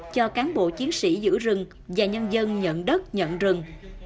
cho cán bộ chiến sĩ giữ rừng và nhân dân nhận đất nhận rừng